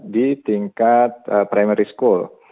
di tingkat primary school